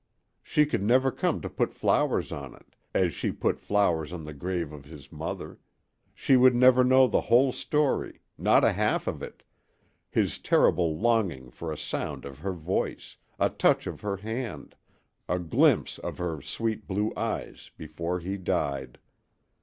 She could never come to put flowers on it, as she put flowers on the grave of his mother; she would never know the whole story, not a half of it his terrible longing for a sound of her voice, a touch of her hand, a glimpse of her sweet blue eyes before he died.